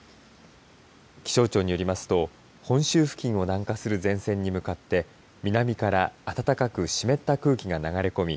気象庁によりますと本州付近を南下する前線に向かって南から暖かく湿った空気が流れ込み